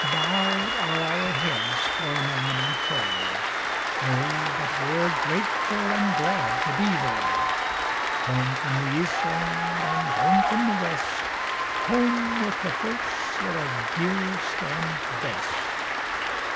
Bowed are our heads for a moment in prayer; Oh, but we're grateful an' glad to be there. Home from the east land an' home from the west, Home with the folks that are dearest an' best.